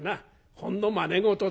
ほんのまね事だ。